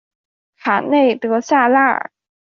卡内德萨拉尔。